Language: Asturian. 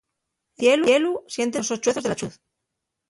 En cielu, siéntense los soḷḷuezos de la ḷḷuz.